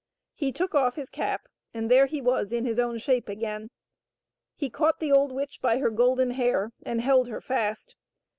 He took off his cap and there he was in his own shape again. He caught the old witch by her golden hair and held her fast.